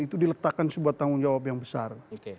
itu diletakkan sebuah tanggung jawab yang besar